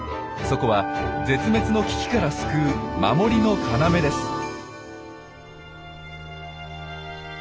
そこは絶滅の危機から救う守りの要です。